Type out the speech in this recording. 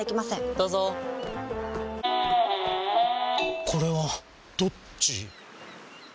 どうぞこれはどっち？